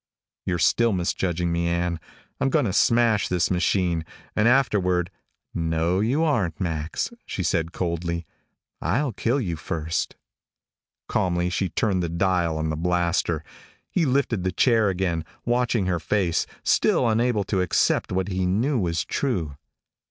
"You're still misjudging me, Ann. I'm going to smash this machine and afterward " "No you aren't, Max," she said coldly. "I'll kill you first." Calmly she turned the dial on the blaster. He lifted the chair again, watching her face, still unable to accept what he knew was true.